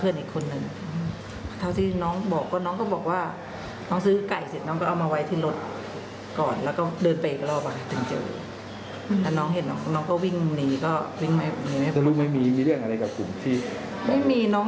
ยกมือขอโทษครับอะไรอย่างนั้น